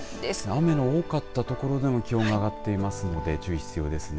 雨の多かったところでの気温が上がっていますので注意が必要ですね。